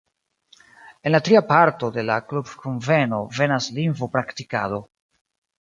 En la tria parto de la klubkunveno venas lingvo-praktikado.